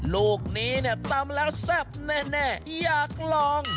ลูกนี้เนี่ยตำแล้วแซ่บแน่อยากลอง